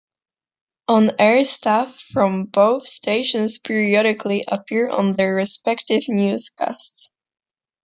On-air staff from both stations periodically appear on their respective newscasts.